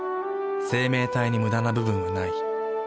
生命体にムダな部分はない。